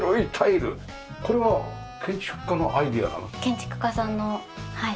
建築家さんのはい。